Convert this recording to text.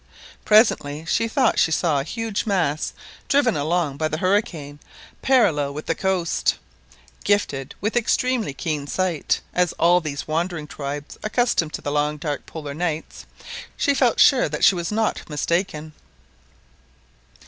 Presently she thought she saw a huge mass driven along by the hurricane parallel with the coast. Gifted with extremely keen sight—as are all these wandering tribes accustomed to the long dark Polar nights—she felt sure that she was not mistaken.